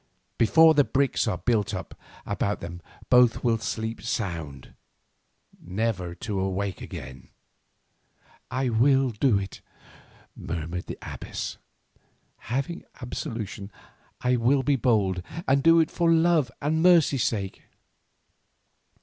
Before the bricks are built up about them both will sleep sound, never to wake again." "I will do it," murmured the abbess; "having absolution I will be bold, and do it for love and mercy's sake!"